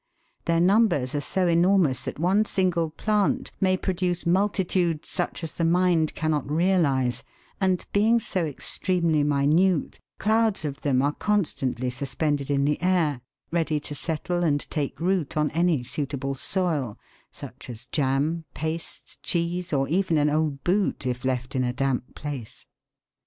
Their numbers are so enormous that one single plant may produce multitudes such as the mind cannot realise, and being so extremely minute, clouds of them are constantly suspended in the air, ready to settle and take root on any suitable soil, such as jam, paste, cheese, or even an old boot if left in a damp place.